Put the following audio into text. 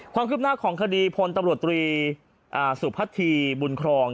ความคืบหน้าของคดีพลตำรวจตรีสุพัทธีบุญครอง